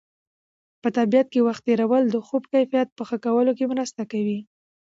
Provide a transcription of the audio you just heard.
په طبیعت کې وخت تېرول د خوب کیفیت په ښه کولو کې مرسته کوي.